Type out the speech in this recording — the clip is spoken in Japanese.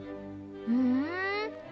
ふん。